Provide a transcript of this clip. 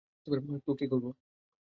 তো কি করবো?